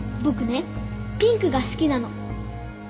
僕ねピンクが好きなの。